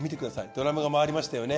ドラムが回りましたよね。